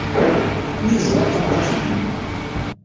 Anda ay teẓram tameṭṭut-nni?